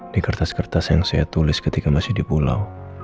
di kertas kertas yang saya tulis ketika masih di pulau